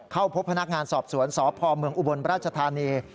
เข้าพบพนักงานสอบสวนสพเมืองอุบลราชธานี